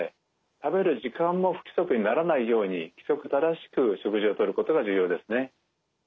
食べる時間も不規則にならないように規則正しく食事をとることが重要ですね。